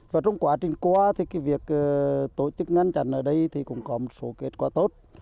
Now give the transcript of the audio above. và trong quá trình qua thì việc tổ chức ngăn chặn ở đây thì cũng có một số kết quả tốt